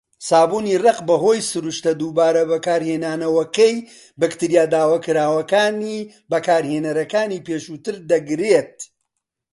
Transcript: سابوونی ڕەق، بەهۆی سروشتە دووبارە بەکارهێنانەوەکەی، بەکتریا داواکراوەکانی بەکارهێنەرەکانی پێشووتر دەگرێت.